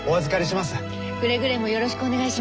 くれぐれもよろしくお願いします。